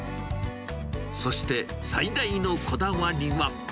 そして、最大のこだわりは。